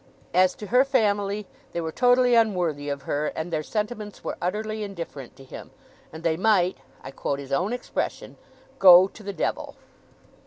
As to her family, they were totally unworthy of her, and their sentiments were utterly indifferent to him, and they might I quote his own expression go to the Devil.